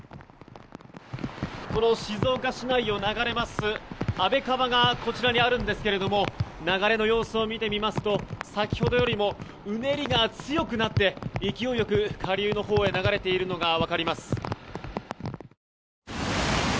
この静岡市内を流れる安倍川がこちらにあるんですが流れの様子を見てみますと先ほどよりもうねりが強くなって勢いよく下流のほうへ流れているのが分かります。